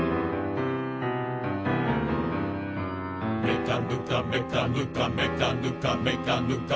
「めかぬかめかぬかめかぬかめかぬか」